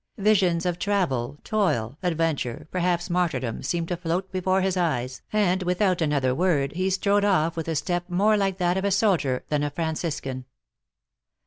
Visions of travel, toil, adventure, perhaps martyr dom, seemed to float before his eyes, and without an other w r ord, he strode off with a step more like that of a soldier than a Franciscan.